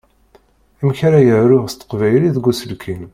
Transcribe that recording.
Amek ara yaruɣ s teqbaylit deg uselkim?